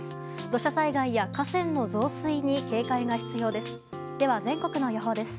土砂災害や河川の増水に警戒が必要です。